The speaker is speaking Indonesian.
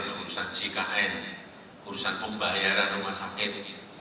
hanya ada urusan jkn urusan pembayaran rumah sakit